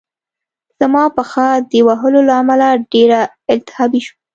زما پښه د وهلو له امله ډېره التهابي شوه